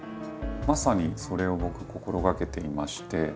まさにそれを僕心がけていまして。